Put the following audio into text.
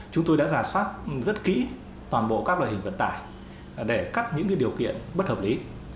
chúng tôi đã giả soát rất kỹ toàn bộ các loại hình vận tải để cắt những điều kiện bất hợp lý